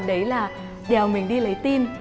đấy là đèo mình đi lấy tin